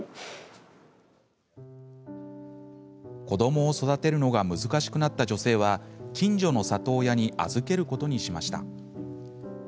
子どもを育てるのが難しくなった女性は近所の里親に預けることにしました。